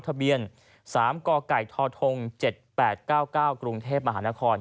ทะเบียน๓กไก่ทธ๗๘๙๙กรุงเทพมหานคร